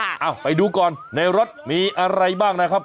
เอ้าไปดูก่อนในรถมีอะไรบ้างนะครับ